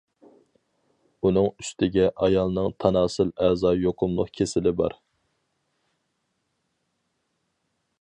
ئۇنىڭ ئۈستىگە ئايالنىڭ تاناسىل ئەزا يۇقۇملۇق كېسىلى بار.